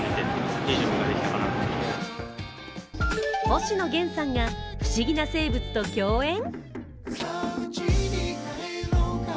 星野源さんが不思議な生物と共演？